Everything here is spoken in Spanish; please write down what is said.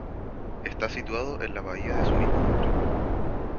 Está situado en la bahía de su mismo nombre.